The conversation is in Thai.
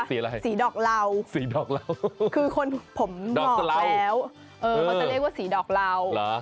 สีอะไรสีดอกเหล่าคือคนผมบอกแล้วมันจะเรียกว่าสีดอกเหล่า